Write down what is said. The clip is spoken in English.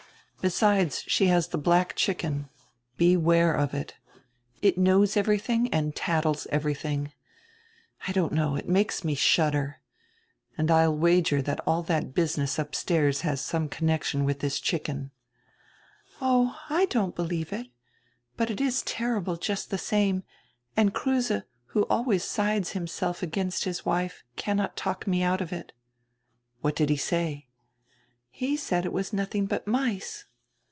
Besides she has die hlack chicken. Beware of it. It knows everydiing and tatdes everything. I don't know, it makes me shudder. And I'll wager all diat business upstairs has some connection with this chicken." "Oh, I don't believe it. But it is terrible just die same, and Kruse, who always sides himself against his wife, can not talk me out of it." "What did he say?" "He said it was nothing but mice."